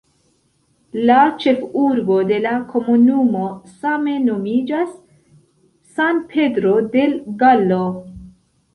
La ĉefurbo de la komunumo same nomiĝas "San Pedro del Gallo".